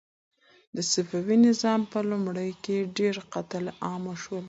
د صفوي نظام په لومړیو کې ډېر قتل عامونه وشول.